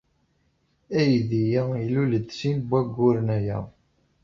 Aydi-a ilul-d sin n wayyuren aya.